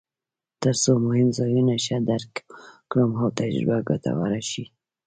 ترڅو مهم ځایونه ښه درک کړم او تجربه ګټوره شي.